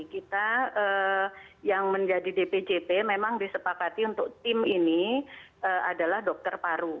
kita yang menjadi dpjp memang disepakati untuk tim ini adalah dokter paru